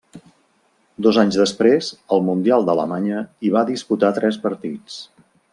Dos anys després, al Mundial d'Alemanya, hi va disputar tres partits.